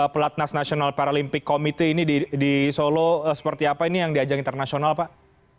pelatnas national paralympic committee ini di solo seperti apa ini yang diajang internasional pak